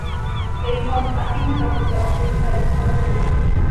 El host asigna los slots necesarios de forma dinámica.